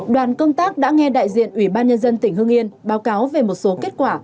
đoàn công tác đã nghe đại diện ủy ban nhân dân tỉnh hương yên báo cáo về một số kết quả